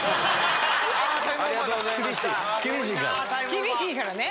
厳しいからね。